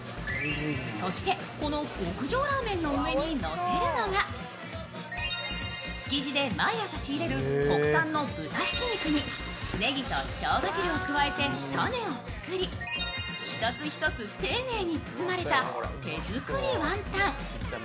そして、この極上ラーメンの上にのせるのが、築地で毎朝仕入れる国産の豚ひき肉にネギとしょうが汁を加えて、タネを作り一つ一つ丁寧に包まれた手作りワンタン。